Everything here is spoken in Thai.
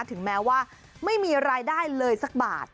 ถึงแม้ว่าไม่มีรายได้เลยสักบาท